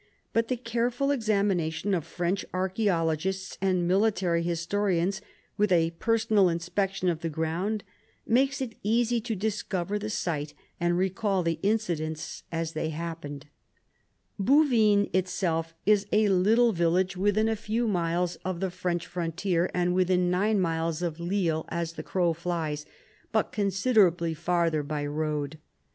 But the careful examination of French archaeologists and military historians, with a personal inspection of the ground, makes it e,asy to discover the site and recall the incidents as they happened/ Bouvines itself is a little village within a tew miles 100 PHILIP AUGUSTUS chap. of the French frontier, and within 9 miles of Lille as the crow flies, but considerably farther by road.